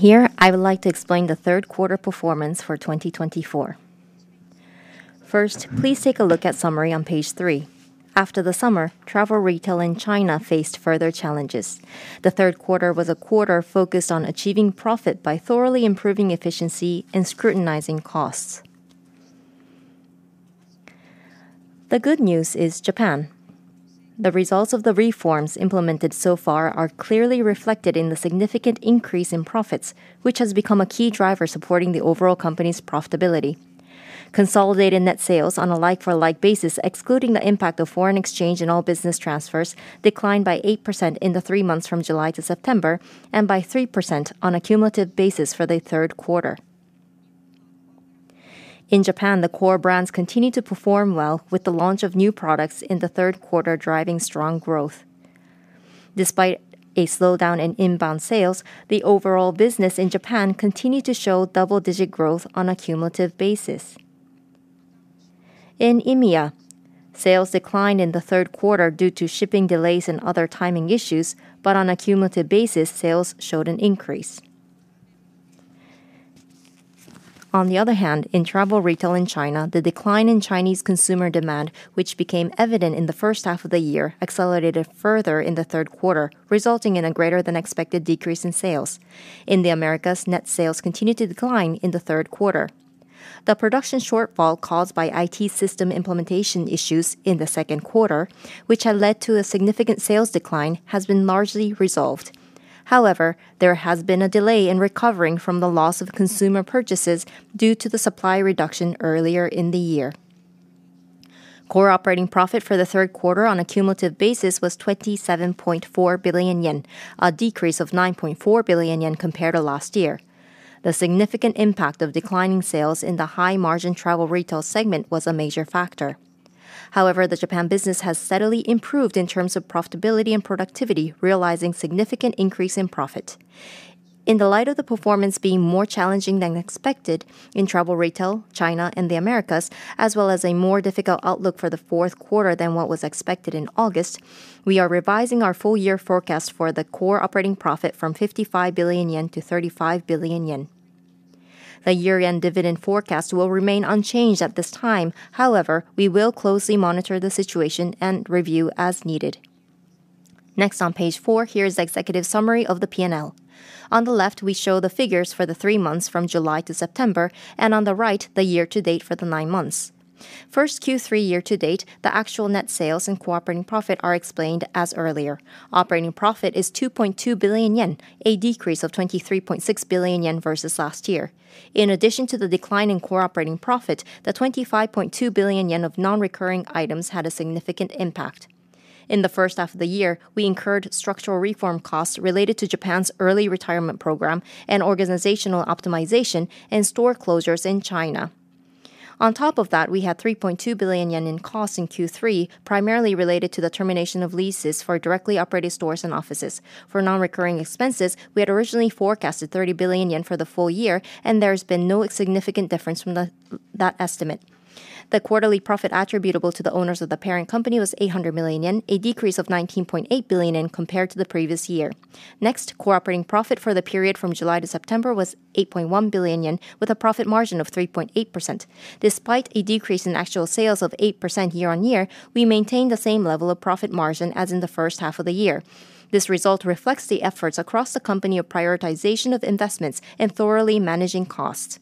Here, I would like to explain the Q3 performance for 2024. First, please take a look at the summary on page 3. After the summer, travel retail in China faced further challenges. The Q3 was a quarter focused on achieving profit by thoroughly improving efficiency and scrutinizing costs. The good news is Japan. The results of the reforms implemented so far are clearly reflected in the significant increase in profits, which has become a key driver supporting the overall company's profitability. Consolidated net sales on a like-for-like basis, excluding the impact of foreign exchange in all business transfers, declined by 8% in the three months from July to September, and by 3% on a cumulative basis for the Q3. In Japan, the core brands continued to perform well, with the launch of new products in the Q3 driving strong growth. Despite a slowdown in inbound sales, the overall business in Japan continued to show double-digit growth on a cumulative basis. In EMEA, sales declined in the Q3 due to shipping delays and other timing issues, but on a cumulative basis, sales showed an increase. On the other hand, in travel retail in China, the decline in Chinese consumer demand, which became evident in the first half of the year, accelerated further in the Q3, resulting in a greater-than-expected decrease in sales. In the Americas, net sales continued to decline in the Q3. The production shortfall caused by IT system implementation issues in the Q2, which had led to a significant sales decline, has been largely resolved. However, there has been a delay in recovering from the loss of consumer purchases due to the supply reduction earlier in the year. Core operating profit for the Q3 on a cumulative basis was 27.4 billion yen, a decrease of 9.4 billion yen compared to last year. The significant impact of declining sales in the high-margin travel retail segment was a major factor. However, the Japan business has steadily improved in terms of profitability and productivity, realizing a significant increase in profit. In the light of the performance being more challenging than expected in travel retail, China, and the Americas, as well as a more difficult outlook for the Q4 than what was expected in August, we are revising our full-year forecast for the core operating profit from 55 billion yen to 35 billion yen. The year-end dividend forecast will remain unchanged at this time. However, we will closely monitor the situation and review as needed. Next, on page 4, here is the executive summary of the P&L. On the left, we show the figures for the three months from July to September, and on the right, the year-to-date for the nine months. First Q3 year-to-date, the actual net sales and core operating profit are explained, as earlier. Operating profit is 2.2 billion yen, a decrease of 23.6 billion yen versus last year. In addition to the decline in core operating profit, the 25.2 billion yen of non-recurring items had a significant impact. In the first half of the year, we incurred structural reform costs related to Japan's early retirement program and organizational optimization and store closures in China. On top of that, we had 3.2 billion yen in costs in Q3, primarily related to the termination of leases for directly operated stores and offices. For non-recurring expenses, we had originally forecasted 30 billion yen for the full year, and there has been no significant difference from that estimate. The quarterly profit attributable to the owners of the parent company was 800 million yen, a decrease of 19.8 billion yen compared to the previous year. Next, core operating profit for the period from July to September was 8.1 billion yen, with a profit margin of 3.8%. Despite a decrease in actual sales of 8% year-on-year, we maintained the same level of profit margin as in the first half of the year. This result reflects the efforts across the company of prioritization of investments and thoroughly managing costs.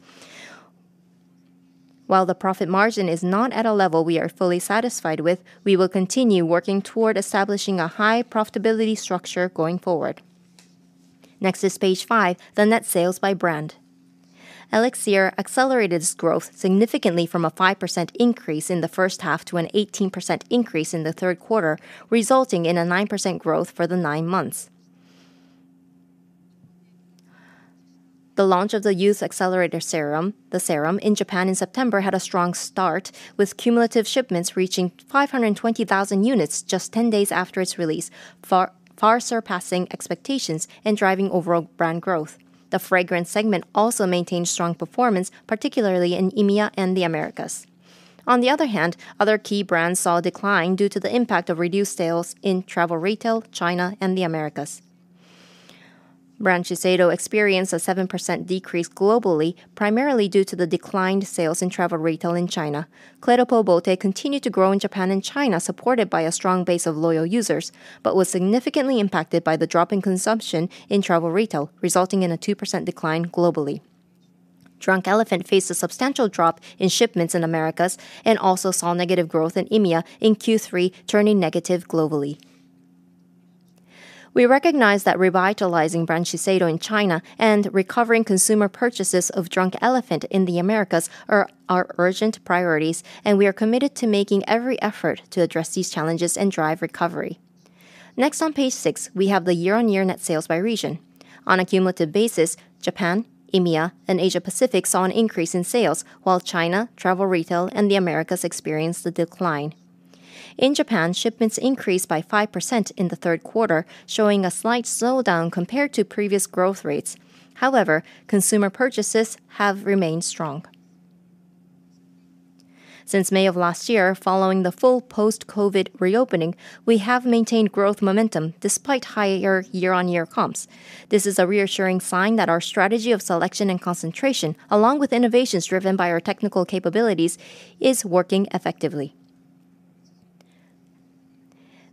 While the profit margin is not at a level we are fully satisfied with, we will continue working toward establishing a high profitability structure going forward. Next is page 5, the net sales by brand. ELIXIR accelerated its growth significantly from a 5% increase in the first half to an 18% increase in the Q3, resulting in a 9% growth for the nine months. The launch of the Youth Accelerator Serum, the serum, in Japan in September had a strong start, with cumulative shipments reaching 520,000 units just 10 days after its release, far surpassing expectations and driving overall brand growth. The fragrance segment also maintained strong performance, particularly in EMEA and the Americas. On the other hand, other key brands saw a decline due to the impact of reduced sales in travel retail, China, and the Americas. Brand Shiseido experienced a 7% decrease globally, primarily due to the declined sales in travel retail in China. Peau Beauté continued to grow in Japan and China, supported by a strong base of loyal users, but was significantly impacted by the drop in consumption in Travel Retail, resulting in a 2% decline globally. Drunk Elephant faced a substantial drop in shipments in the Americas and also saw negative growth in EMEA in Q3, turning negative globally. We recognize that revitalizing Brand Shiseido in China and recovering consumer purchases of Drunk Elephant in the Americas are our urgent priorities, and we are committed to making every effort to address these challenges and drive recovery. Next, on page 6, we have the year-on-year net sales by region. On a cumulative basis, Japan, EMEA, and Asia-Pacific saw an increase in sales, while China, Travel Retail, and the Americas experienced a decline. In Japan, shipments increased by 5% in the Q3, showing a slight slowdown compared to previous growth rates. However, consumer purchases have remained strong. Since May of last year, following the full post-COVID reopening, we have maintained growth momentum despite higher year-on-year comps. This is a reassuring sign that our strategy of selection and concentration, along with innovations driven by our technical capabilities, is working effectively.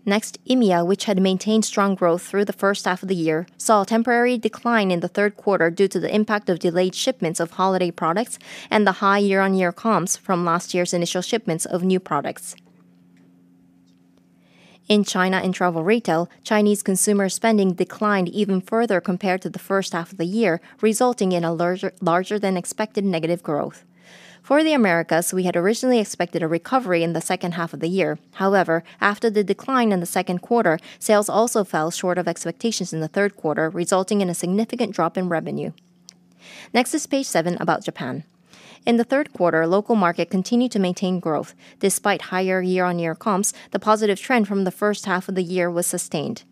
Next, EMEA, which had maintained strong growth through the first half of the year, saw a temporary decline in the Q3 due to the impact of delayed shipments of holiday products and the high year-on-year comps from last year's initial shipments of new products. In China and travel retail, Chinese consumer spending declined even further compared to the first half of the year, resulting in a larger-than-expected negative growth. For the Americas, we had originally expected a recovery in the second half of the year. However, after the decline in the Q2, sales also fell short of expectations in the Q3, resulting in a significant drop in revenue. Next is page 7 about Japan. In the Q3, local market continued to maintain growth. Despite higher year-on-year comps, the positive trend from the first half of the year was sustained.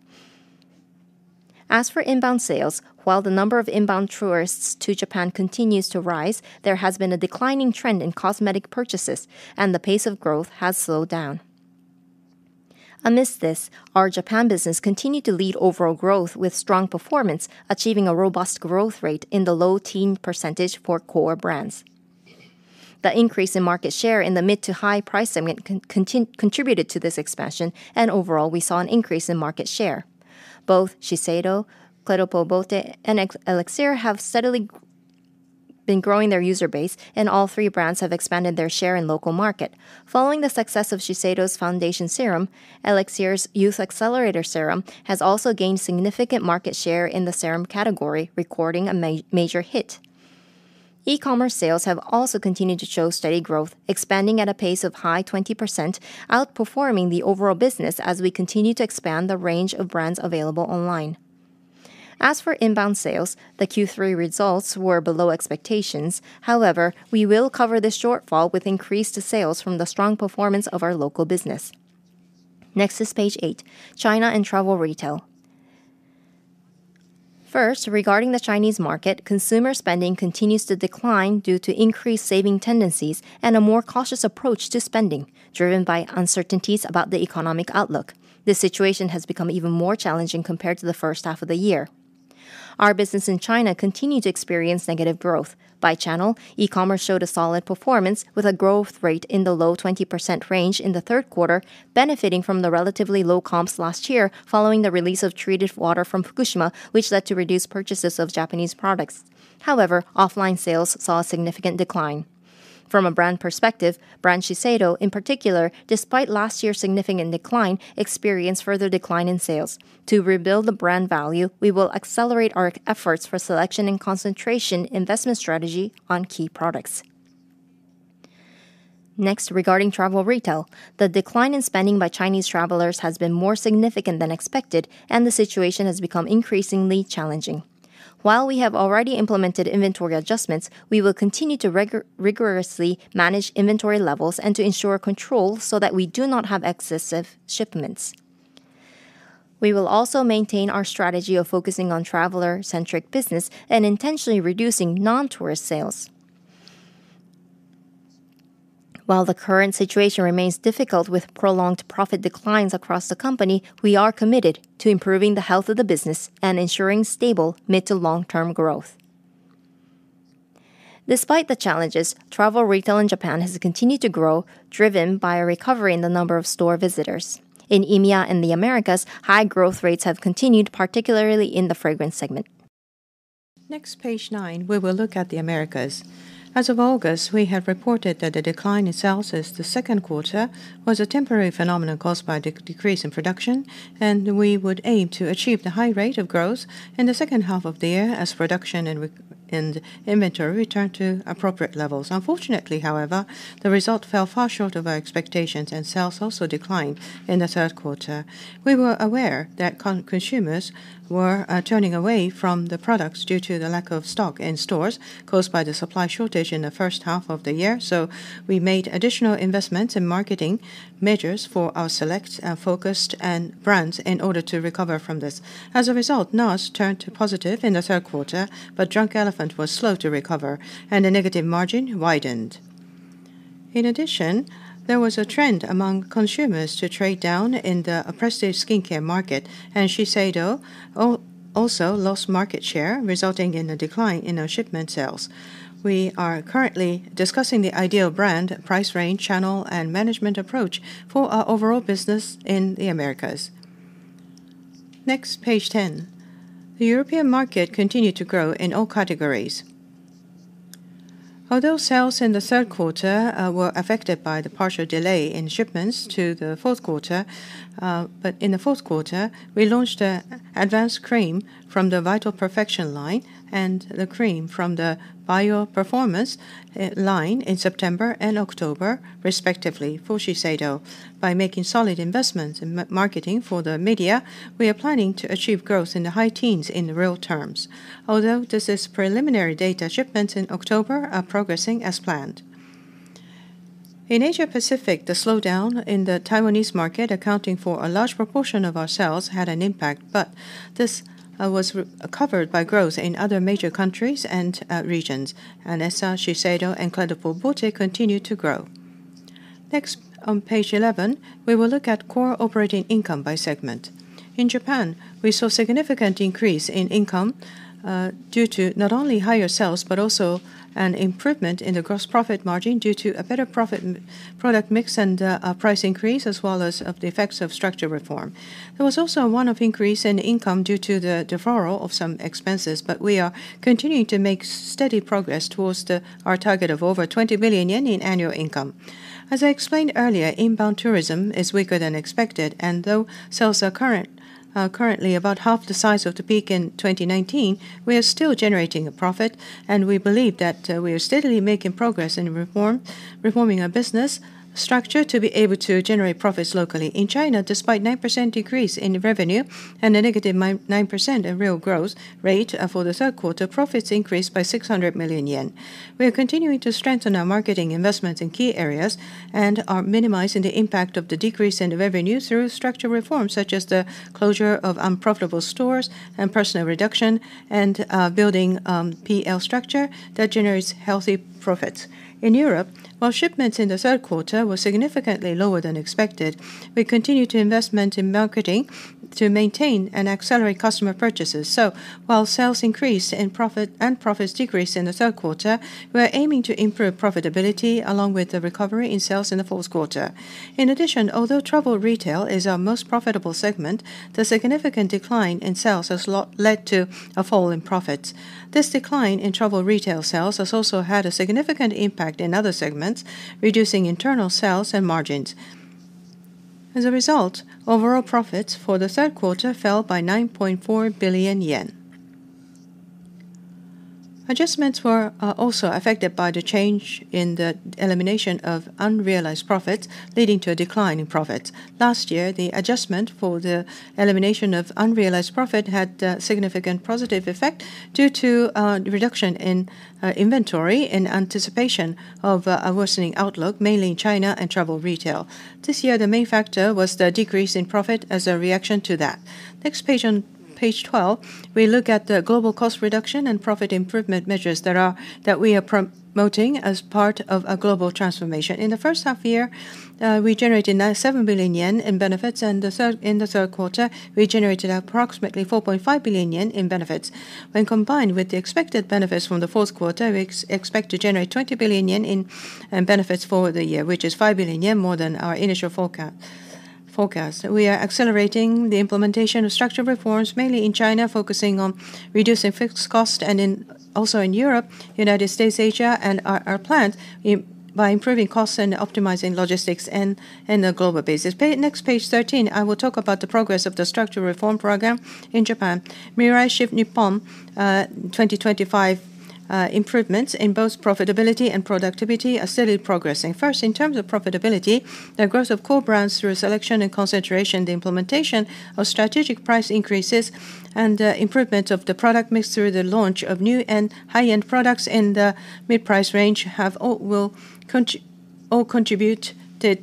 As for inbound sales, while the number of inbound tourists to Japan continues to rise, there has been a declining trend in cosmetic purchases, and the pace of growth has slowed down. Amidst this, our Japan business continued to lead overall growth with strong performance, achieving a robust growth rate in the low teens percentage for core brands. The increase in market share in the mid-to-high price segment contributed to this expansion, and overall, we saw an increase in market share. Both Shiseido, Clé de Peau Beauté, and Elixir have steadily been growing their user base, and all three brands have expanded their share in local market. Following the success of Shiseido's Foundation Serum, Elixir's Youth Accelerator Serum has also gained significant market share in the serum category, recording a major hit. E-commerce sales have also continued to show steady growth, expanding at a pace of high 20%, outperforming the overall business as we continue to expand the range of brands available online. As for inbound sales, the Q3 results were below expectations. However, we will cover this shortfall with increased sales from the strong performance of our local business. Next is page 8, China and travel retail. First, regarding the Chinese market, consumer spending continues to decline due to increased saving tendencies and a more cautious approach to spending, driven by uncertainties about the economic outlook. This situation has become even more challenging compared to the first half of the year. Our business in China continued to experience negative growth. By channel, e-commerce showed a solid performance, with a growth rate in the low 20% range in the Q3, benefiting from the relatively low comps last year following the release of treated water from Fukushima, which led to reduced purchases of Japanese products. However, offline sales saw a significant decline. From a brand perspective, Brand Shiseido, in particular, despite last year's significant decline, experienced further decline in sales. To rebuild the brand value, we will accelerate our efforts for Selection and Concentration investment strategy on key products. Next, regarding Travel Retail, the decline in spending by Chinese travelers has been more significant than expected, and the situation has become increasingly challenging. While we have already implemented inventory adjustments, we will continue to rigorously manage inventory levels and to ensure control so that we do not have excessive shipments. We will also maintain our strategy of focusing on traveler-centric business and intentionally reducing non-tourist sales. While the current situation remains difficult with prolonged profit declines across the company, we are committed to improving the health of the business and ensuring stable mid-to-long-term growth. Despite the challenges, travel retail in Japan has continued to grow, driven by a recovery in the number of store visitors. In EMEA and the Americas, high growth rates have continued, particularly in the fragrance segment. Next, page 9, we will look at the Americas. As of August, we had reported that the decline in sales this Q2 was a temporary phenomenon caused by the decrease in production, and we would aim to achieve the high rate of growth in the second half of the year as production and inventory returned to appropriate levels. Unfortunately, however, the result fell far short of our expectations, and sales also declined in the Q3. We were aware that consumers were turning away from the products due to the lack of stock in stores caused by the supply shortage in the first half of the year, so we made additional investments in marketing measures for our select and focused brands in order to recover from this. As a result, NARS turned positive in the Q3, but Drunk Elephant was slow to recover, and the negative margin widened. In addition, there was a trend among consumers to trade down in the oppressive skincare market, and Shiseido also lost market share, resulting in a decline in our shipment sales. We are currently discussing the ideal brand, price range, channel, and management approach for our overall business in the Americas. Next, page 10, the European market continued to grow in all categories. Although sales in the Q3 were affected by the partial delay in shipments to the Q4, in the Q4, we launched an advanced cream from the Vital Perfection line and the cream from the Bio-Performance line in September and October, respectively, for Shiseido. By making solid investments in marketing for the media, we are planning to achieve growth in the high teens in real terms. Although this is preliminary data, shipments in October are progressing as planned. In Asia-Pacific, the slowdown in the Taiwanese market, accounting for a large proportion of our sales, had an impact, but this was covered by growth in other major countries and regions, and SR Shiseido and Clé de Peau Beauté continued to grow. Next, on page 11, we will look at core operating income by segment. In Japan, we saw a significant increase in income due to not only higher sales but also an improvement in the gross profit margin due to a better product mix and price increase, as well as the effects of structural reform. There was also a one-off increase in income due to the deferral of some expenses, but we are continuing to make steady progress towards our target of over 20 million yen in annual income. As I explained earlier, inbound tourism is weaker than expected, and though sales are currently about half the size of the peak in 2019, we are still generating a profit, and we believe that we are steadily making progress in reforming our business structure to be able to generate profits locally. In China, despite a 9% decrease in revenue and a negative 9% in real growth rate for the Q3, profits increased by 600 million yen. We are continuing to strengthen our marketing investments in key areas and are minimizing the impact of the decrease in revenue through structural reforms, such as the closure of unprofitable stores and personnel reduction, and building PL structure that generates healthy profits. In Europe, while shipments in the Q3 were significantly lower than expected, we continued to invest in marketing to maintain and accelerate customer purchases. While sales increased and profits decreased in the Q3, we are aiming to improve profitability along with the recovery in sales in the Q4. In addition, although travel retail is our most profitable segment, the significant decline in sales has led to a fall in profits. This decline in travel retail sales has also had a significant impact in other segments, reducing internal sales and margins. As a result, overall profits for the Q3 fell by 9.4 billion yen. Adjustments were also affected by the change in the elimination of unrealized profits, leading to a decline in profits. Last year, the adjustment for the elimination of unrealized profits had a significant positive effect due to a reduction in inventory in anticipation of a worsening outlook, mainly in China and travel retail. This year, the main factor was the decrease in profits as a reaction to that. Next, page 12, we look at the global cost reduction and profit improvement measures that we are promoting as part of a global transformation. In the first half year, we generated 7 billion yen in benefits, and in the Q3, we generated approximately 4.5 billion yen in benefits. When combined with the expected benefits from the Q4, we expect to generate 20 billion yen in benefits for the year, which is 5 billion yen more than our initial forecast. We are accelerating the implementation of structural reforms, mainly in China, focusing on reducing fixed costs, and also in Europe, United States, Asia, and our plants, by improving costs and optimizing logistics on a global basis. Next, page 13, I will talk about the progress of the structural reform program in Japan. Mirai Shift NIPPON 2025 improvements in both profitability and productivity are steadily progressing. First, in terms of profitability, the growth of core brands through selection and concentration, the implementation of strategic price increases, and improvement of the product mix through the launch of new and high-end products in the mid-price range have all contributed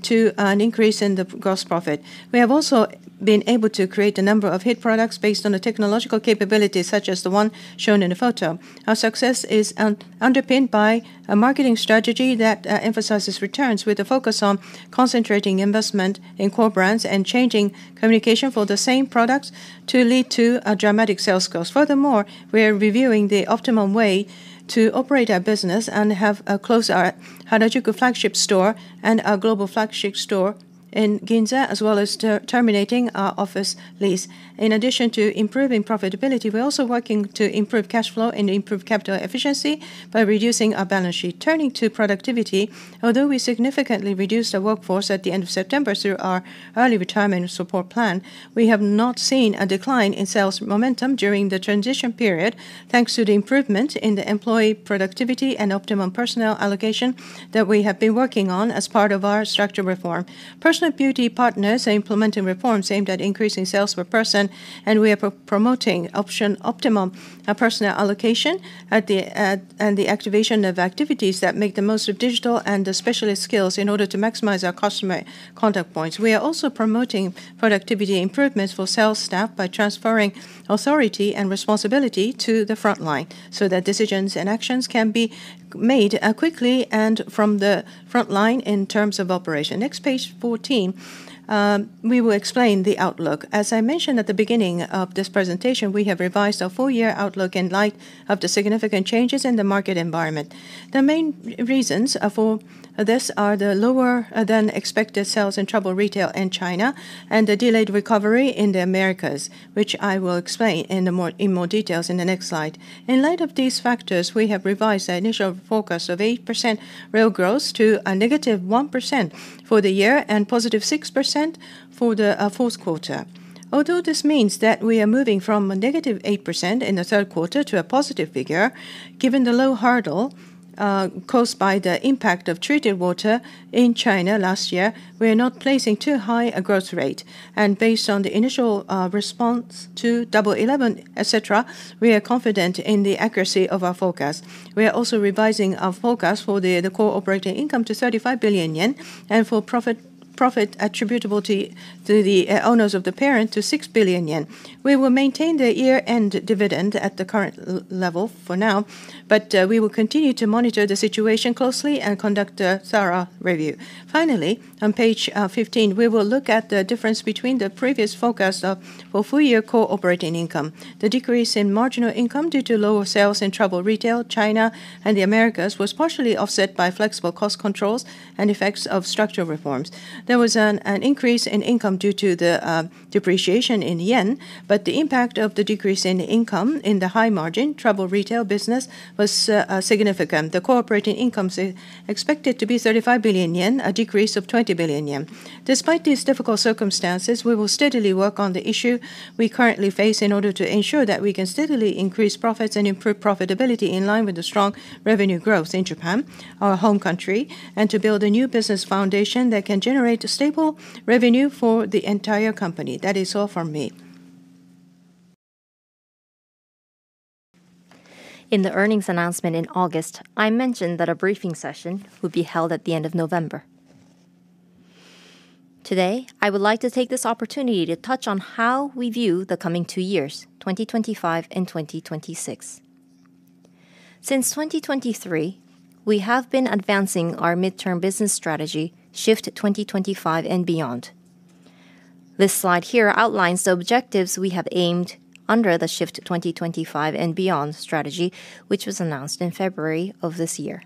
to an increase in the gross profit. We have also been able to create a number of hit products based on the technological capabilities, such as the one shown in the photo. Our success is underpinned by a marketing strategy that emphasizes returns, with a focus on concentrating investment in core brands and changing communication for the same products to lead to a dramatic sales growth. Furthermore, we are reviewing the optimal way to operate our business and have closed our Harajuku flagship store and our global flagship store in Ginza, as well as terminating our office lease. In addition to improving profitability, we are also working to improve cash flow and improve capital efficiency by reducing our balance sheet. Turning to productivity, although we significantly reduced our workforce at the end of September through our early retirement support plan, we have not seen a decline in sales momentum during the transition period, thanks to the improvement in the employee productivity and optimum personnel allocation that we have been working on as part of our structural reform. Personal Beauty Partners are implementing reforms aimed at increasing sales per person, and we are promoting optimum personnel allocation and the activation of activities that make the most of digital and specialist skills in order to maximize our customer contact points. We are also promoting productivity improvements for sales staff by transferring authority and responsibility to the frontline so that decisions and actions can be made quickly and from the frontline in terms of operation. Next, page 14, we will explain the outlook. As I mentioned at the beginning of this presentation, we have revised our four-year outlook in light of the significant changes in the market environment. The main reasons for this are the lower-than-expected sales in travel retail in China and the delayed recovery in the Americas, which I will explain in more detail in the next slide. In light of these factors, we have revised our initial focus of 8% real growth to a -1% for the year and +6% for the Q4. Although this means that we are moving from a negative 8% in the Q3 to a positive figure, given the low hurdle caused by the impact of treated water in China last year, we are not placing too high a growth rate. And based on the initial response to Double 11, etc., we are confident in the accuracy of our forecast. We are also revising our forecast for the core operating income to 35 billion yen and for profit attributable to the owners of the parent to 6 billion yen. We will maintain the year-end dividend at the current level for now, but we will continue to monitor the situation closely and conduct a thorough review. Finally, on page 15, we will look at the difference between the previous focus for four-year core operating income. The decrease in marginal income due to lower sales in travel retail, China, and the Americas was partially offset by flexible cost controls and effects of structural reforms. There was an increase in income due to the depreciation in yen, but the impact of the decrease in income in the high-margin travel retail business was significant. The core operating income is expected to be 35 billion yen, a decrease of 20 billion yen. Despite these difficult circumstances, we will steadily work on the issue we currently face in order to ensure that we can steadily increase profits and improve profitability in line with the strong revenue growth in Japan, our home country, and to build a new business foundation that can generate a stable revenue for the entire company. That is all from me. In the earnings announcement in August, I mentioned that a briefing session would be held at the end of November. Today, I would like to take this opportunity to touch on how we view the coming two years, 2025 and 2026. Since 2023, we have been advancing our midterm business strategy, SHIFT 2025 and Beyond. This slide here outlines the objectives we have aimed under the SHIFT 2025 and Beyond strategy, which was announced in February of this year.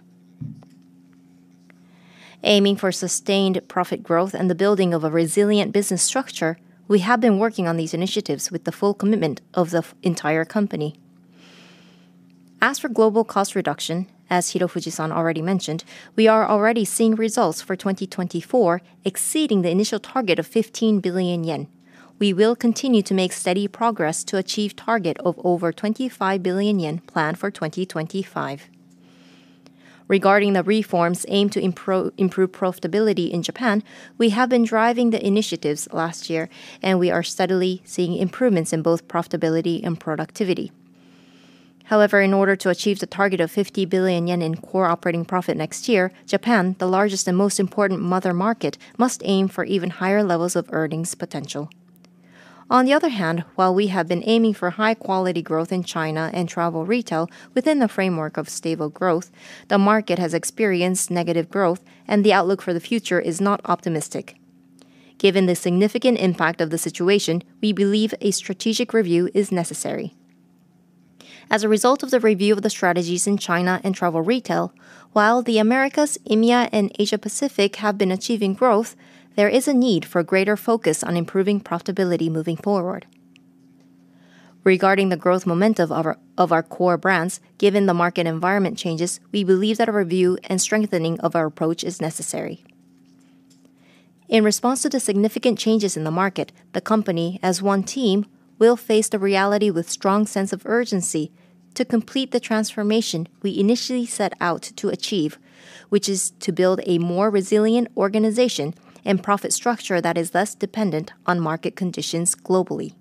Aiming for sustained profit growth and the building of a resilient business structure, we have been working on these initiatives with the full commitment of the entire company. As for global cost reduction, as Hirofujisan already mentioned, we are already seeing results for 2024 exceeding the initial target of 15 billion yen. We will continue to make steady progress to achieve the target of over 25 billion yen planned for 2025. Regarding the reforms aimed to improve profitability in Japan, we have been driving the initiatives last year, and we are steadily seeing improvements in both profitability and productivity. However, in order to achieve the target of 50 billion yen in Core Operating Profit next year, Japan, the largest and most important mother market, must aim for even higher levels of earnings potential. On the other hand, while we have been aiming for high-quality growth in China and Travel Retail within the framework of stable growth, the market has experienced negative growth, and the outlook for the future is not optimistic. Given the significant impact of the situation, we believe a strategic review is necessary. As a result of the review of the strategies in China and Travel Retail, while the Americas, India, and Asia-Pacific have been achieving growth, there is a need for greater focus on improving profitability moving forward. Regarding the growth momentum of our core brands, given the market environment changes, we believe that a review and strengthening of our approach is necessary. In response to the significant changes in the market, the company, as one team, will face the reality with a strong sense of urgency to complete the transformation we initially set out to achieve, which is to build a more resilient organization and profit structure that is less dependent on market conditions globally.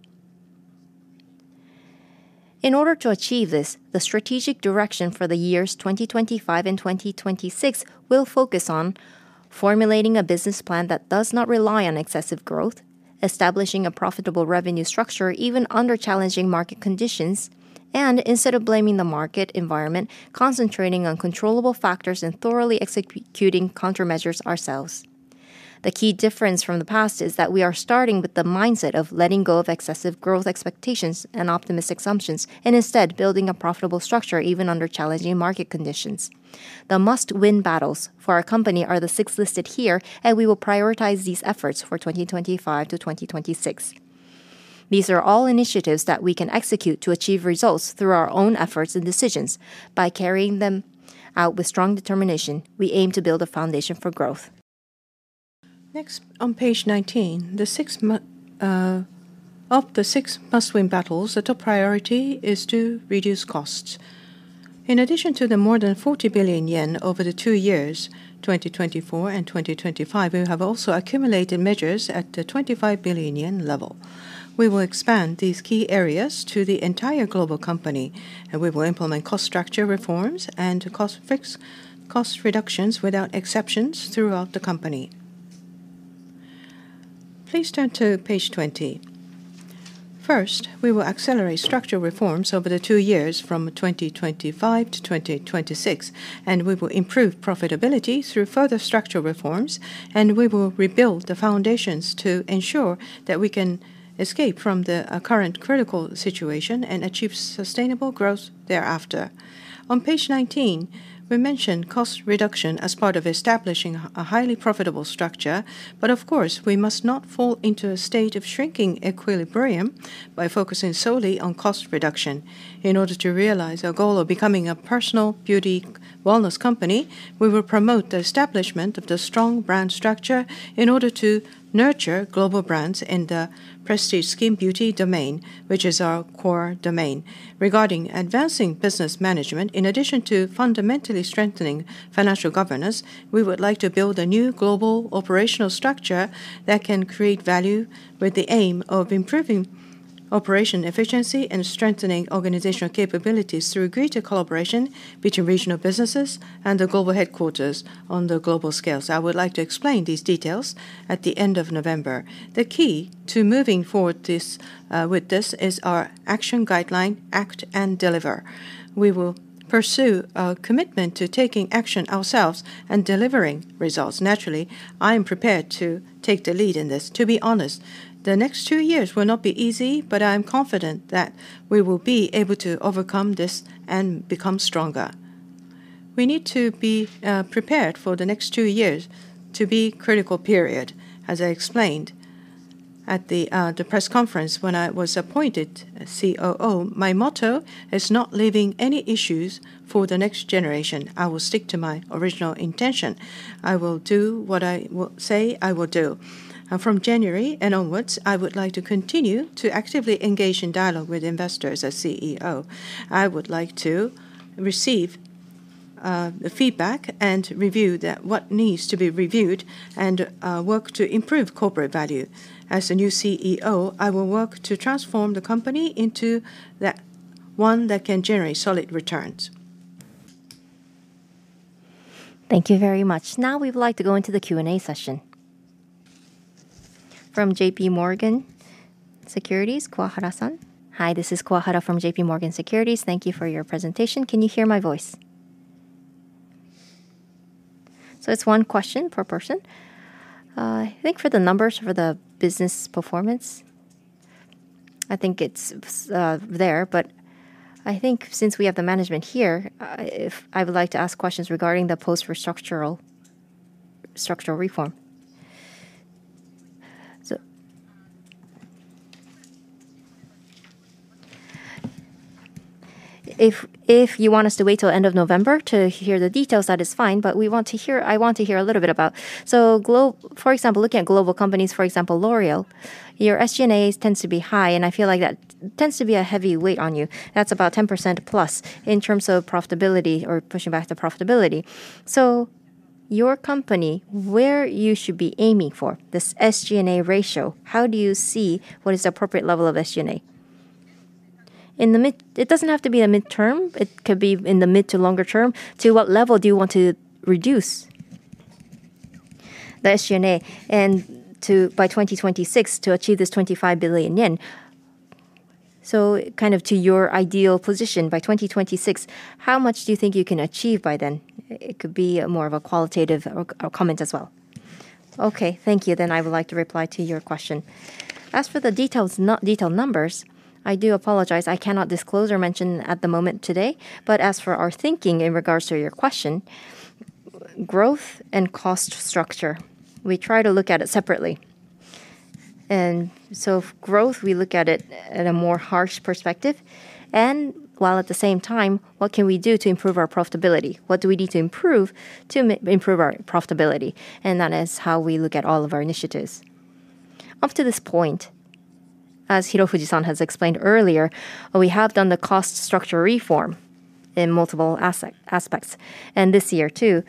In order to achieve this, the strategic direction for the years 2025 and 2026 will focus on formulating a business plan that does not rely on excessive growth, establishing a profitable revenue structure even under challenging market conditions, and, instead of blaming the market environment, concentrating on controllable factors and thoroughly executing countermeasures ourselves. The key difference from the past is that we are starting with the mindset of letting go of excessive growth expectations and optimistic assumptions, and instead building a profitable structure even under challenging market conditions. The must-win battles for our company are the six listed here, and we will prioritize these efforts for 2025 to 2026. These are all initiatives that we can execute to achieve results through our own efforts and decisions. By carrying them out with strong determination, we aim to build a foundation for growth. Next, on page 19, of the six must-win battles, the top priority is to reduce costs. In addition to the more than 40 billion yen over the two years, 2024 and 2025, we have also accumulated measures at the 25 billion yen level. We will expand these key areas to the entire global company, and we will implement cost structure reforms and cost reductions without exceptions throughout the company. Please turn to page 20. First, we will accelerate structural reforms over the two years from 2025 to 2026, and we will improve profitability through further structural reforms, and we will rebuild the foundations to ensure that we can escape from the current critical situation and achieve sustainable growth thereafter. On page 19, we mentioned cost reduction as part of establishing a highly profitable structure, but of course, we must not fall into a state of shrinking equilibrium by focusing solely on cost reduction. In order to realize our goal of becoming a personal beauty wellness company, we will promote the establishment of the strong brand structure in order to nurture global brands in the prestige skin beauty domain, which is our core domain. Regarding advancing business management, in addition to fundamentally strengthening financial governance, we would like to build a new global operational structure that can create value with the aim of improving operation efficiency and strengthening organizational capabilities through greater collaboration between regional businesses and the global headquarters on the global scales. I would like to explain these details at the end of November. The key to moving forward with this is our action guideline, Act and Deliver. We will pursue our commitment to taking action ourselves and delivering results. Naturally, I am prepared to take the lead in this. To be honest, the next two years will not be easy, but I am confident that we will be able to overcome this and become stronger. We need to be prepared for the next two years to be a critical period. As I explained at the press conference when I was appointed COO, my motto is not leaving any issues for the next generation. I will stick to my original intention. I will do what I say I will do. From January and onwards, I would like to continue to actively engage in dialogue with investors as CEO. I would like to receive the feedback and review what needs to be reviewed and work to improve corporate value. As a new CEO, I will work to transform the company into one that can generate solid returns. Thank you very much. Now we would like to go into the Q&A session. From JPMorgan Securities, Kuwahara-san. Hi, this is Kuwahara from JPMorgan Securities. Thank you for your presentation. Can you hear my voice? So it's one question per person. I think for the numbers for the business performance, I think it's there, but I think since we have the management here, I would like to ask questions regarding the post-structural reform. If you want us to wait till the end of November to hear the details, that is fine, but we want to hear I want to hear a little bit about, so for example, looking at global companies, for example, L'Oréal, your SG&As tend to be high, and I feel like that tends to be a heavy weight on you. That's about 10% plus in terms of profitability or pushing back the profitability. So your company, where you should be aiming for this SG&A ratio, how do you see what is the appropriate level of SG&A? It doesn't have to be the midterm. It could be in the mid to longer term. To what level do you want to reduce the SG&A by 2026 to achieve this 25 billion yen? So kind of to your ideal position by 2026, how much do you think you can achieve by then? It could be more of a qualitative comment as well. Okay, thank you. Then I would like to reply to your question. As for the detailed numbers, I do apologize. I cannot disclose or mention at the moment today, but as for our thinking in regards to your question, growth and cost structure, we try to look at it separately. And so growth, we look at it at a more harsh perspective. And while at the same time, what can we do to improve our profitability? What do we need to improve to improve our profitability? And that is how we look at all of our initiatives. Up to this point, as Hirofujisan has explained earlier, we have done the cost structure reform in multiple aspects. And this year too,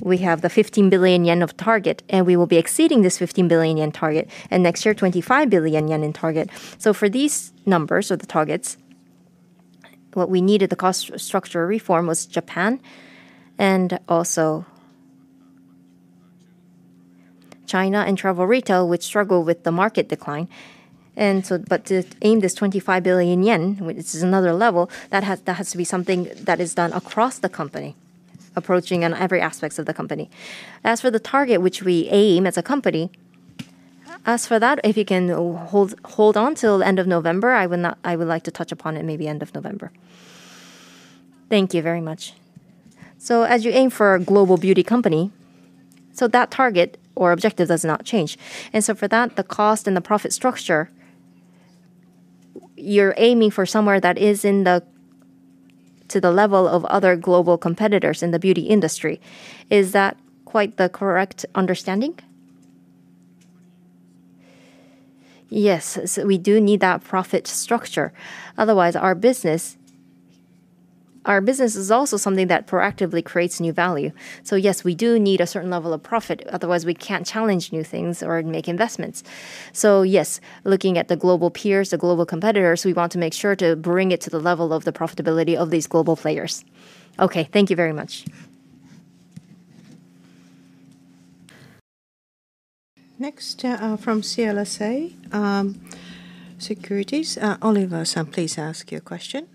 we have the 15 billion yen of target, and we will be exceeding this 15 billion yen target. And next year, 25 billion yen in target. So for these numbers or the targets, what we needed the cost structure reform was Japan and also China and Travel Retail, which struggle with the market decline. And so but to aim this 25 billion yen, which is another level, that has to be something that is done across the company, approaching on every aspect of the company. As for the target, which we aim as a company, as for that, if you can hold on till the end of November, I would like to touch upon it maybe end of November. Thank you very much. So as you aim for a global beauty company, so that target or objective does not change. And so for that, the cost and the profit structure, you're aiming for somewhere that is in the to the level of other global competitors in the beauty industry. Is that quite the correct understanding? Yes, we do need that profit structure. Otherwise, our business is also something that proactively creates new value. So yes, we do need a certain level of profit. Otherwise, we can't challenge new things or make investments. So yes, looking at the global peers, the global competitors, we want to make sure to bring it to the level of the profitability of these global players. Okay, thank you very much. Next from CLSA Securities, Oliver Matthew, please ask your question.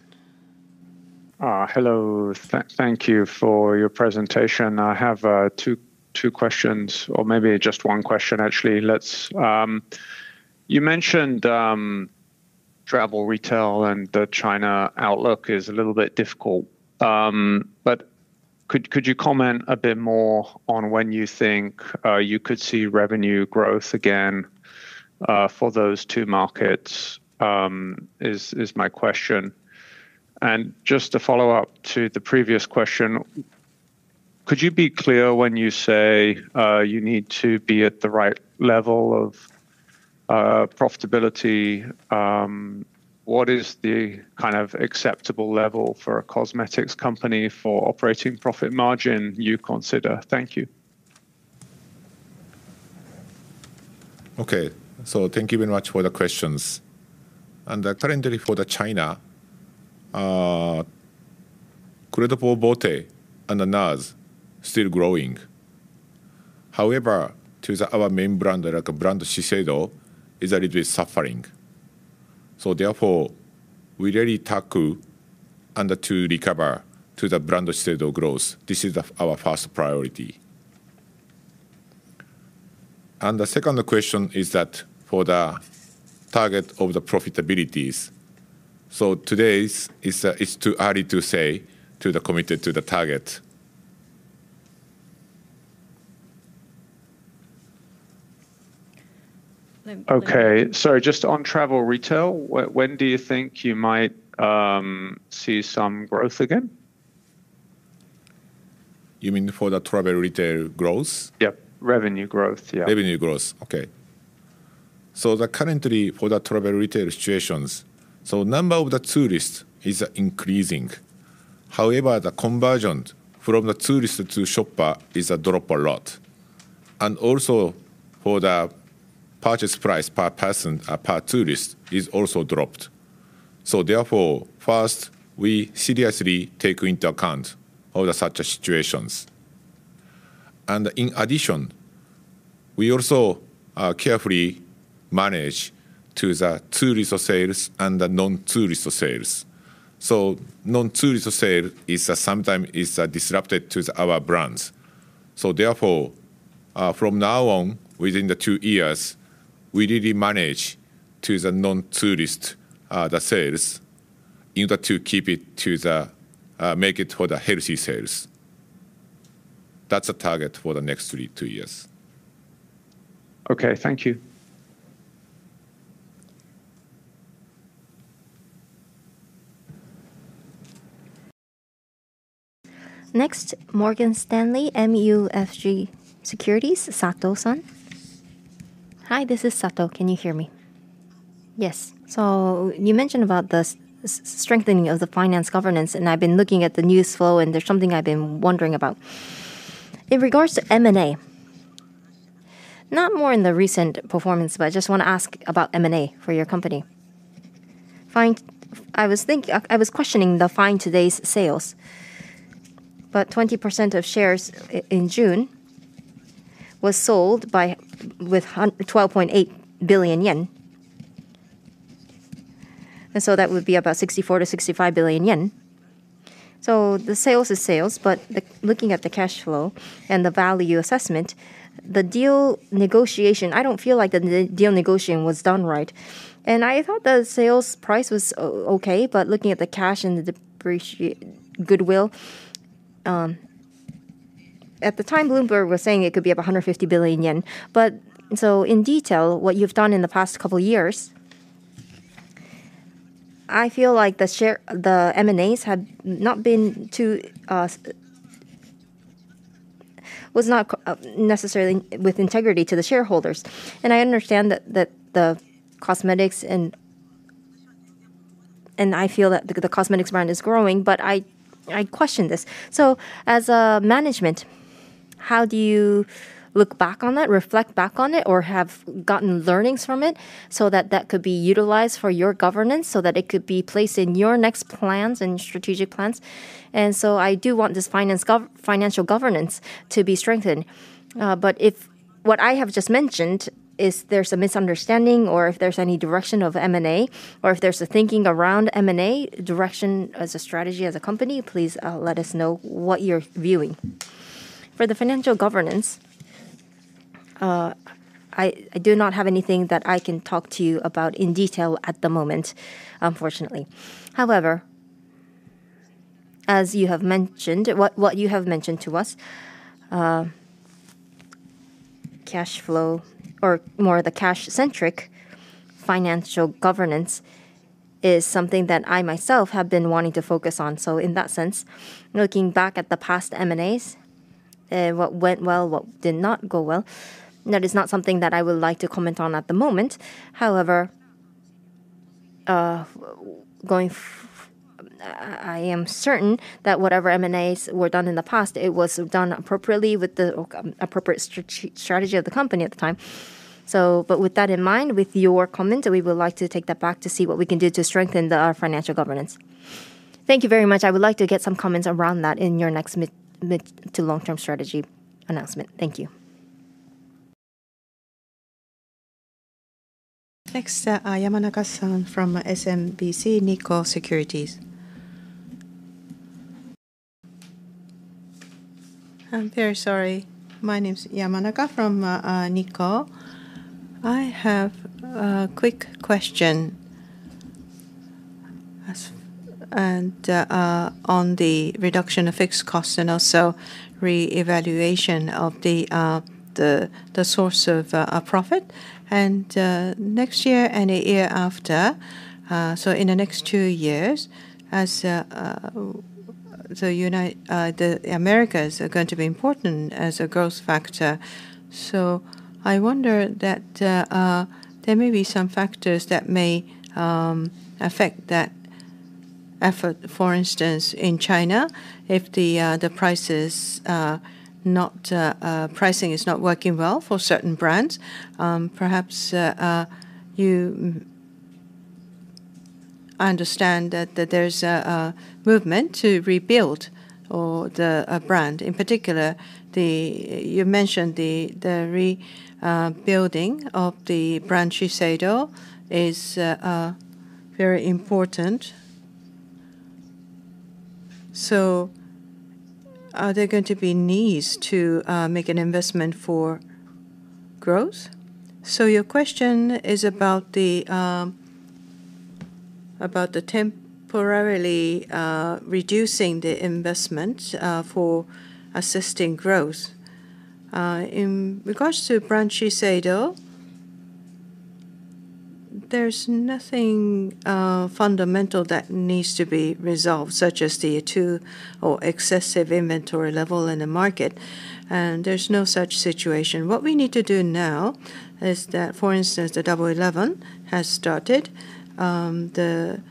Hello, thank you for your presentation. I have two questions, or maybe just one question, actually. You mentioned travel retail and the China outlook is a little bit difficult, but could you comment a bit more on when you think you could see revenue growth again for those two markets? That is my question. And just to follow up to the previous question, could you be clear when you say you need to be at the right level of profitability? What is the kind of acceptable level for a cosmetics company for operating profit margin you consider? Thank you. Okay, so thank you very much for the questions, and currently for the China, Clé de Peau Beauté and NARS are still growing. However, to our main brand, like a brand Shiseido, is a little bit suffering. So therefore, we really tackle and to recover to the brand Shiseido growth. This is our first priority. The second question is that for the target of the profitabilities, so today it's too early to commit to the target. Okay, so just on travel retail, when do you think you might see some growth again? You mean for the travel retail growth? Yep, revenue growth, yeah. Revenue growth, okay. So currently for the travel retail situations, so the number of the tourists is increasing. However, the conversion from the tourist to shopper has dropped a lot. And also for the purchase price per person, per tourist has also dropped. So therefore, first, we seriously take into account all such situations. And in addition, we also carefully manage the tourist sales and the non-tourist sales. So non-tourist sales is sometimes disruptive to our brands. So therefore, from now on, within the two years, we really manage to the non-tourist sales in order to keep it to the make it for the healthy sales. That's the target for the next two years. Okay, thank you. Next, Morgan Stanley MUFG Securities, Sato-san. Hi, this is Sato. Can you hear me? Yes. So you mentioned about the strengthening of the finance governance, and I've been looking at the news flow, and there's something I've been wondering about. In regards to M&A, not more in the recent performance, but I just want to ask about M&A for your company. I was questioning the FineToday's sales, but 20% of shares in June was sold with 12.8 billion yen. And so that would be about 64 billion to 65 billion yen. So the sales is sales, but looking at the cash flow and the value assessment, the deal negotiation, I don't feel like the deal negotiation was done right. And I thought the sales price was okay, but looking at the cash and the goodwill, at the time, Bloomberg was saying it could be about 150 billion yen. But so in detail, what you've done in the past couple of years, I feel like the M&As have not been too necessarily with integrity to the shareholders. And I understand that the cosmetics, and I feel that the cosmetics brand is growing, but I question this. So as a management, how do you look back on that, reflect back on it, or have gotten learnings from it so that that could be utilized for your governance so that it could be placed in your next plans and strategic plans? And so I do want this financial governance to be strengthened. But if what I have just mentioned is, there's a misunderstanding or if there's any direction of M&A or if there's a thinking around M&A direction as a strategy as a company, please let us know what you're viewing. For the financial governance, I do not have anything that I can talk to you about in detail at the moment, unfortunately. However, as you have mentioned, what you have mentioned to us, cash flow or more of the cash-centric financial governance is something that I myself have been wanting to focus on. So in that sense, looking back at the past M&As, what went well, what did not go well, that is not something that I would like to comment on at the moment. However, I am certain that whatever M&As were done in the past, it was done appropriately with the appropriate strategy of the company at the time. But with that in mind, with your comment, we would like to take that back to see what we can do to strengthen our financial governance. Thank you very much. I would like to get some comments around that in your next mid to long-term strategy announcement. Thank you. Next, Yamanaka-san from SMBC Nikko Securities. I'm very sorry. My name is Yamanaka from Nikko. I have a quick question on the reduction of fixed costs and also re-evaluation of the source of profit. And next year and the year after, so in the next two years, the Americas are going to be important as a growth factor. So I wonder that there may be some factors that may affect that effort. For instance, in China, if the pricing is not working well for certain brands, perhaps you understand that there's a movement to rebuild the brand. In particular, you mentioned the rebuilding of the brand Shiseido is very important, so are there going to be needs to make an investment for growth. So your question is about the temporarily reducing the investment for assisting growth. In regards to brand Shiseido, there's nothing fundamental that needs to be resolved, such as the too excessive inventory level in the market, and there's no such situation. What we need to do now is that, for instance, the 11/11 has started, the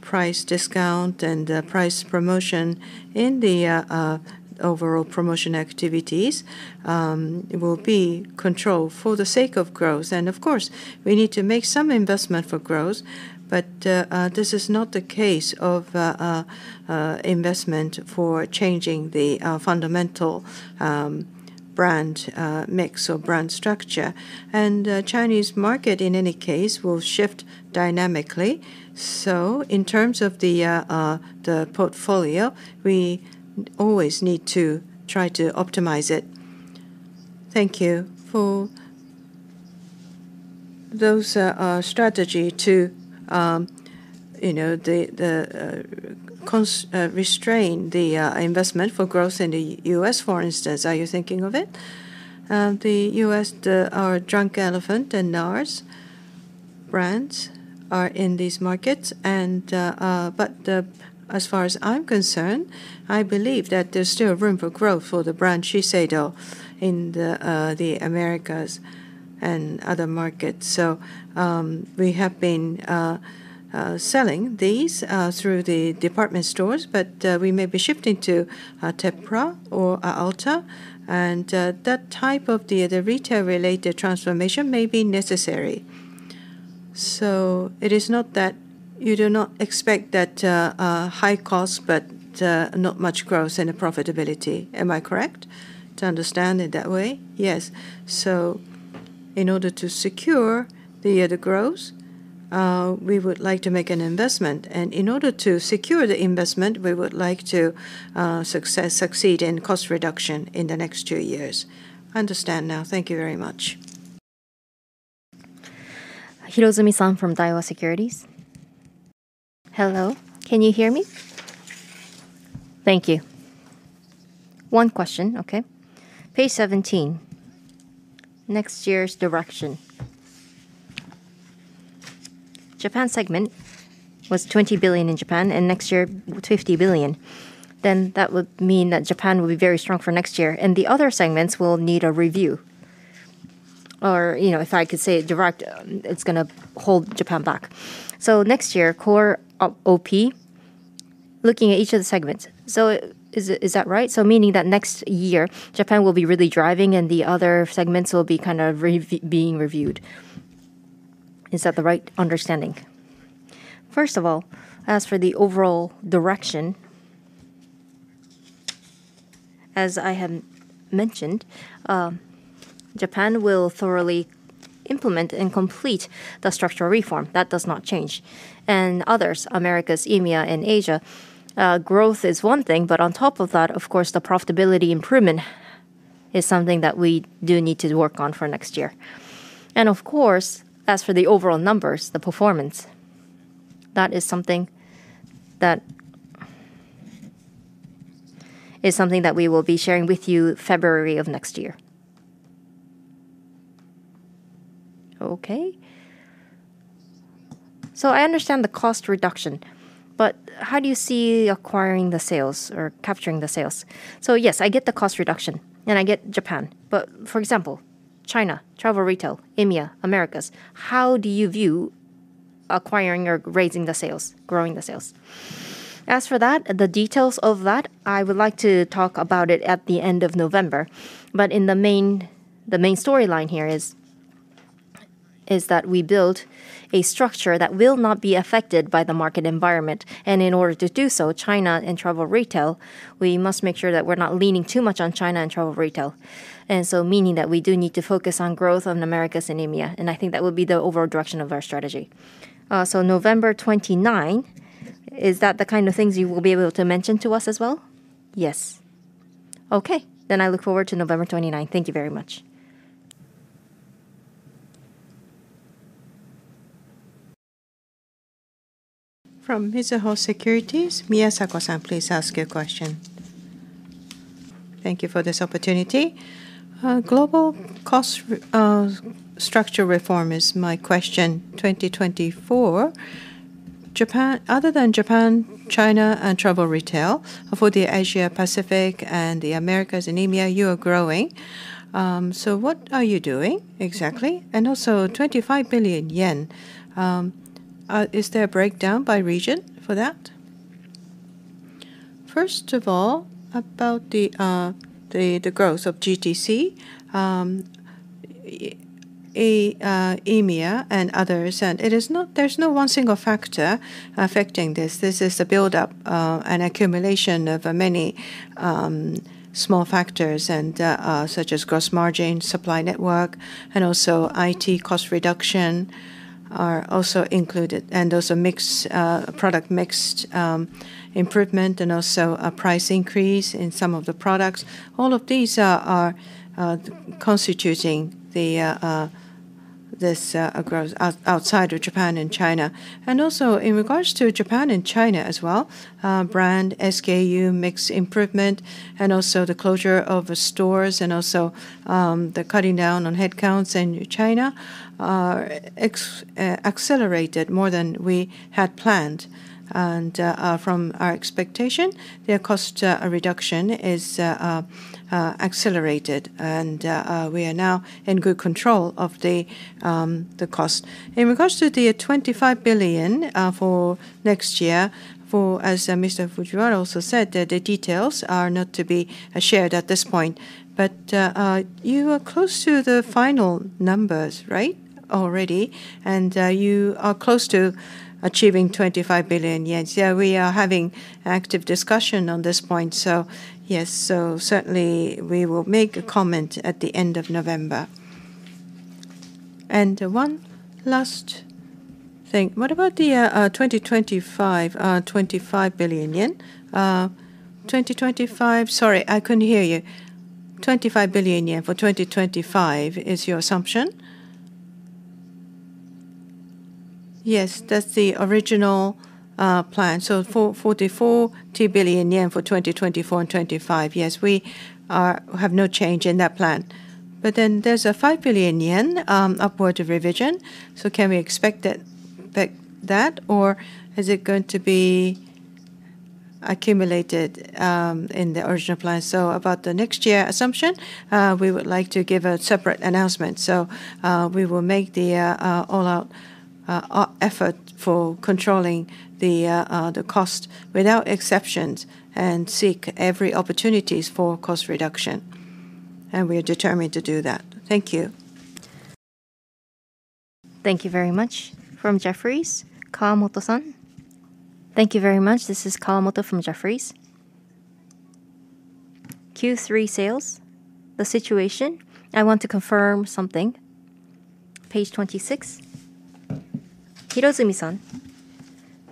price discount and the price promotion in the overall promotion activities will be controlled for the sake of growth. And of course, we need to make some investment for growth, but this is not the case of investment for changing the fundamental brand mix or brand structure. And the Chinese market, in any case, will shift dynamically. So in terms of the portfolio, we always need to try to optimize it. Thank you for those strategies to restrain the investment for growth in the U.S., for instance. Are you thinking of it? The U.S., our Drunk Elephant and NARS brands are in these markets. But as far as I'm concerned, I believe that there's still room for growth for the brand Shiseido in the Americas and other markets. So we have been selling these through the department stores, but we may be shifting to Sephora or Ulta Beauty. And that type of the retail-related transformation may be necessary. So it is not that you do not expect that high cost, but not much growth and profitability. Am I correct to understand it that way? Yes. So in order to secure the growth, we would like to make an investment. And in order to secure the investment, we would like to succeed in cost reduction in the next two years. I understand now. Thank you very much. Hirozumi-san from Daiwa Securities. Hello. Can you hear me? Thank you. One question, okay? Page 17, next year's direction. Japan segment was 20 billion in Japan, and next year 50 billion. Then that would mean that Japan will be very strong for next year. And the other segments will need a review. Or if I could say it directly, it's going to hold Japan back. So next year, core OP, looking at each of the segments. So is that right? So, meaning that next year, Japan will be really driving and the other segments will be kind of being reviewed. Is that the right understanding? First of all, as for the overall direction, as I have mentioned, Japan will thoroughly implement and complete the structural reform. That does not change. And others, Americas, EMEA and Asia, growth is one thing, but on top of that, of course, the profitability improvement is something that we do need to work on for next year. And of course, as for the overall numbers, the performance, that is something that we will be sharing with you February of next year. Okay. So I understand the cost reduction, but how do you see acquiring the sales or capturing the sales? So yes, I get the cost reduction and I get Japan. But for example, China, travel retail, EMEA, Americas, how do you view acquiring or raising the sales, growing the sales? As for that, the details of that, I would like to talk about it at the end of November. But the main storyline here is that we build a structure that will not be affected by the market environment. And in order to do so, China and travel retail, we must make sure that we're not leaning too much on China and travel retail. And so meaning that we do need to focus on growth on Americas and EMEA. And I think that would be the overall direction of our strategy. So November 29, is that the kind of things you will be able to mention to us as well? Yes. Okay. Then I look forward to November 29. Thank you very much. From Mizuho Securities, Miyazako-san, please ask your question. Thank you for this opportunity. Global cost structure reform is my question. 2024, other than Japan, China, and travel retail, for the Asia-Pacific and the Americas and EMEA, you are growing. So what are you doing exactly? And also, 25 billion yen, is there a breakdown by region for that? First of all, about the growth of GTC, EMEA, and others, and there's no one single factor affecting this. This is the buildup and accumulation of many small factors, such as gross margin, supply network, and also IT cost reduction are also included. And there's a product mix improvement and also a price increase in some of the products. All of these are constituting this growth outside of Japan and China. Also, in regards to Japan and China as well, brand SKU mix improvement and also the closure of stores and also the cutting down on headcounts in China accelerated more than we had planned. From our expectation, their cost reduction is accelerated. We are now in good control of the cost. In regards to the 25 billion for next year, as Mr. Fujiwara also said, the details are not to be shared at this point. You are close to the final numbers, right, already? You are close to achieving 25 billion yen. Yeah, we are having active discussion on this point. Yes, so certainly we will make a comment at the end of November. One last thing. What about the 2025, 25 billion yen? 2025, sorry, I couldn't hear you. 25 billion yen for 2025 is your assumption? Yes, that's the original plan. So 44 billion yen for 2024 and 2025. Yes, we have no change in that plan. But then there's a 5 billion yen upward revision. So can we expect that, or is it going to be accumulated in the original plan? So about the next year assumption, we would like to give a separate announcement. So we will make the all-out effort for controlling the cost without exceptions and seek every opportunity for cost reduction. And we are determined to do that. Thank you. Thank you very much. From Jefferies, Kawamoto-san. Thank you very much. This is Kawamoto from Jefferies. Q3 sales, the situation. I want to confirm something. Page 26. Hirozumi-san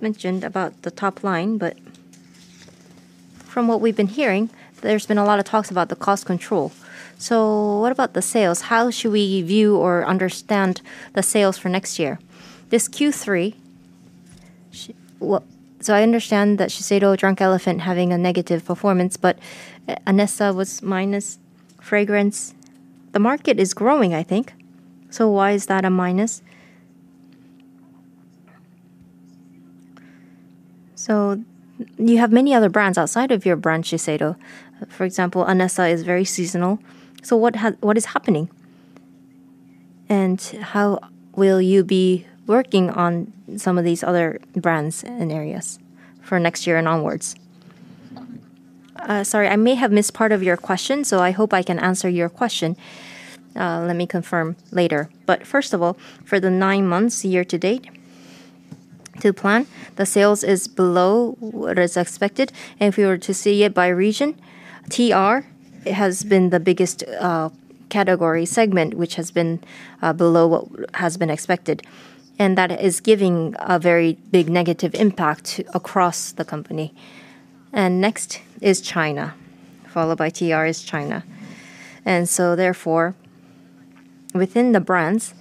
mentioned about the top line, but from what we've been hearing, there's been a lot of talks about the cost control. So what about the sales? How should we view or understand the sales for next year? This Q3, so I understand that Shiseido Drunk Elephant having a negative performance, but Anessa was minus, fragrance. The market is growing, I think. So why is that a minus? So you have many other brands outside of your brand Shiseido. For example, Anessa is very seasonal. So what is happening? And how will you be working on some of these other brands and areas for next year and onwards? Sorry, I may have missed part of your question, so I hope I can answer your question. Let me confirm later. But first of all, for the nine months year to date, to plan, the sales is below what is expected. And if we were to see it by region, TR has been the biggest category segment, which has been below what has been expected. And that is giving a very big negative impact across the company. And next is China, followed by TR is China. And so therefore, within the brands,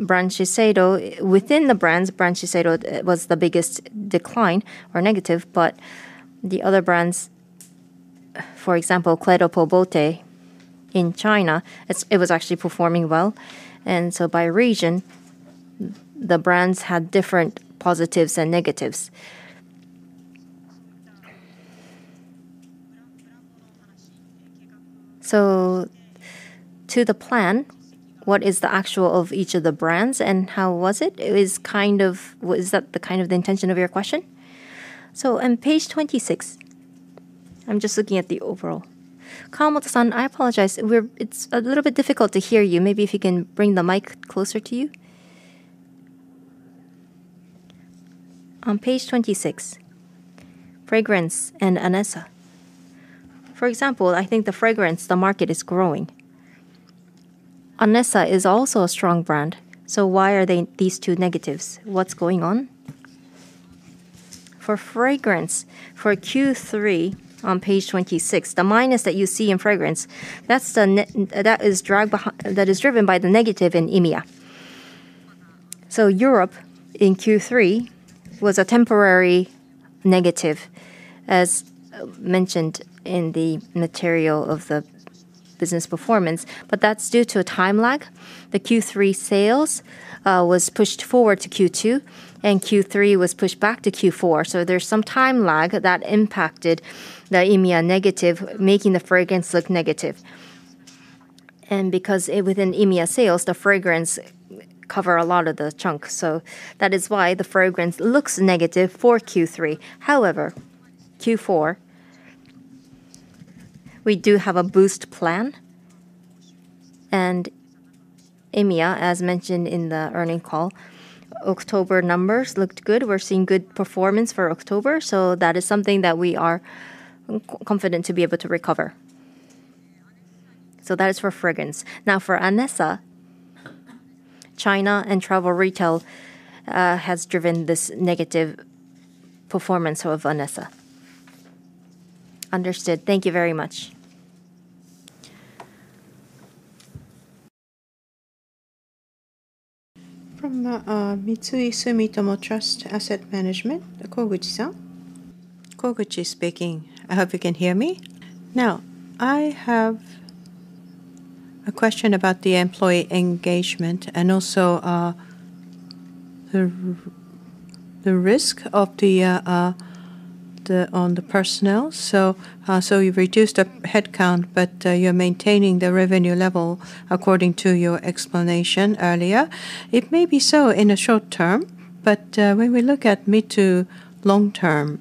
brand Shiseido, within the brands, brand Shiseido was the biggest decline or negative. But the other brands, for example, Clé de Peau Beauté in China, it was actually performing well. And so by region, the brands had different positives and negatives. So to the plan, what is the actual of each of the brands and how was it? Is that the kind of the intention of your question? So on page 26, I'm just looking at the overall. Kawamoto-san, I apologize. It's a little bit difficult to hear you. Maybe if you can bring the mic closer to you. On page 26, fragrance and Anessa. For example, I think the fragrance, the market is growing. Anessa is also a strong brand. So why are these two negatives? What's going on? For fragrance, for Q3 on page 26, the minus that you see in fragrance, that is driven by the negative in EMEA. So Europe in Q3 was a temporary negative, as mentioned in the material of the business performance. But that's due to a time lag. The Q3 sales was pushed forward to Q2, and Q3 was pushed back to Q4. So there's some time lag that impacted the EMEA negative, making the fragrance look negative. And because within EMEA sales, the fragrance cover a lot of the chunk. So that is why the fragrance looks negative for Q3. However, Q4, we do have a boost plan. And EMEA, as mentioned in the earnings call, October numbers looked good. We're seeing good performance for October. So that is something that we are confident to be able to recover. So that is for fragrance. Now for Anessa, China and travel retail has driven this negative performance of Anessa. Understood. Thank you very much. From Sumitomo Mitsui Trust Asset Management, Koguchi-san. Koguchi speaking. I hope you can hear me. Now, I have a question about the employee engagement and also the risk on the personnel. So you've reduced the headcount, but you're maintaining the revenue level according to your explanation earlier. It may be so in the short term, but when we look at mid to long term,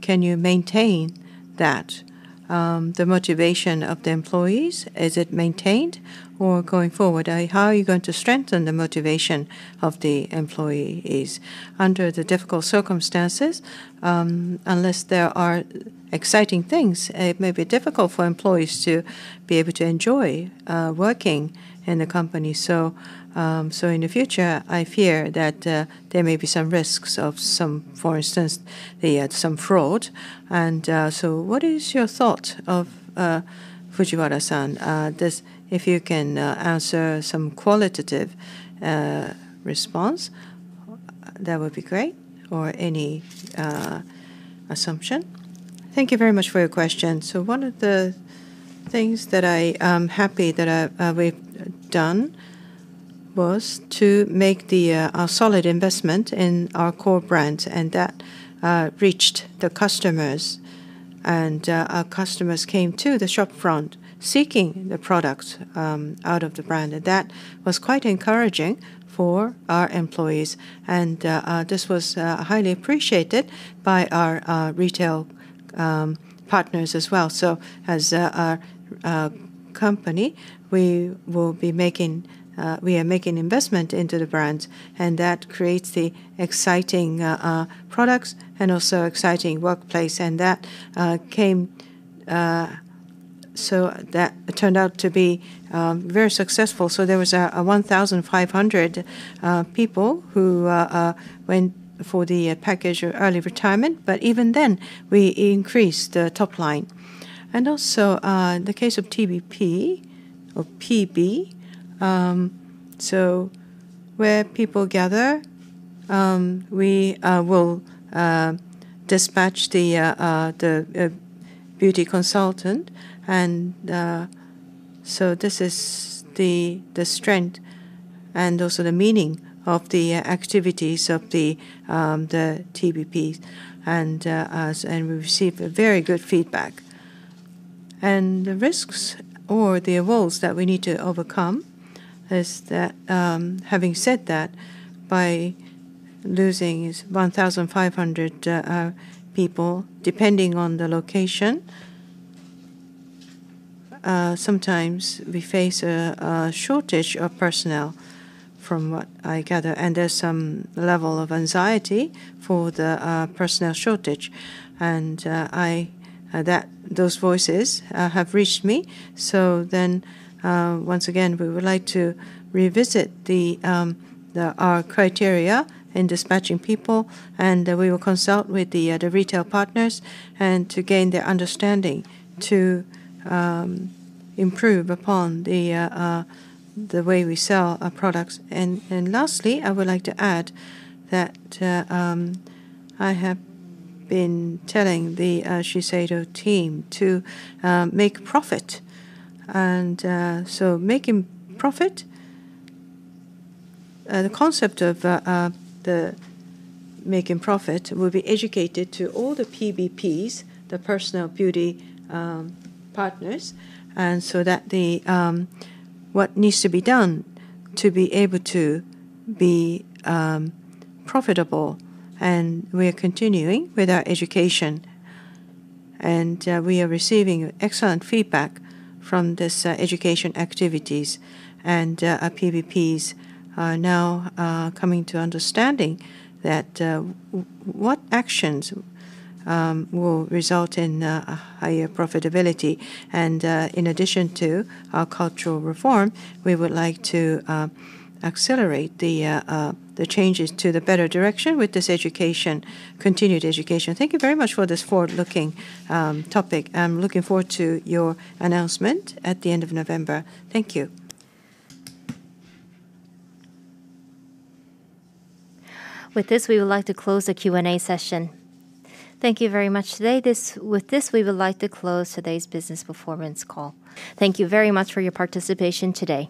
can you maintain that? The motivation of the employees, is it maintained or going forward? How are you going to strengthen the motivation of the employees under the difficult circumstances? Unless there are exciting things, it may be difficult for employees to be able to enjoy working in the company. So in the future, I fear that there may be some risks, for instance, some fraud. What is your thought of Fujiwara-san? If you can answer some qualitative response, that would be great. Or any assumption? Thank you very much for your question. One of the things that I'm happy that we've done was to make a solid investment in our core brand. That reached the customers. Our customers came to the shopfront seeking the products out of the brand. That was quite encouraging for our employees. This was highly appreciated by our retail partners as well. As our company, we are making investment into the brands. That creates the exciting products and also exciting workplace. That turned out to be very successful. So there was 1,500 people who went for the package of early retirement. But even then, we increased the top line. And also the case of PBP or PB, so where people gather, we will dispatch the beauty consultant. And so this is the strength and also the meaning of the activities of the PBP. And we received very good feedback. And the risks or the roles that we need to overcome is that having said that, by losing 1,500 people, depending on the location, sometimes we face a shortage of personnel from what I gather. And there's some level of anxiety for the personnel shortage. And those voices have reached me. So then once again, we would like to revisit our criteria in dispatching people. And we will consult with the retail partners and to gain their understanding to improve upon the way we sell our products. And lastly, I would like to add that I have been telling the Shiseido team to make profit. And so, making profit, the concept of making profit will be educated to all the PBPs, the Personal Beauty Partners, and so that what needs to be done to be able to be profitable. And we are continuing with our education. And we are receiving excellent feedback from these education activities. And our PBPs are now coming to understanding that what actions will result in higher profitability. And in addition to our cultural reform, we would like to accelerate the changes to the better direction with this education, continued education. Thank you very much for this forward-looking topic. I'm looking forward to your announcement at the end of November. Thank you. With this, we would like to close the Q&A session. Thank you very much today. With this, we would like to close today's business performance call. Thank you very much for your participation today.